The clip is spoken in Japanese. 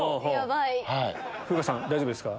風花さん大丈夫ですか？